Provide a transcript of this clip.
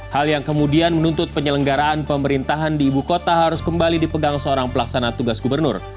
hal yang kemudian menuntut penyelenggaraan pemerintahan di ibu kota harus kembali dipegang seorang pelaksana tugas gubernur